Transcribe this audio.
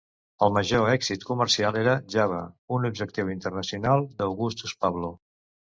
El major èxit comercial era "Java", un objectiu internacional d'Augustus Pablo.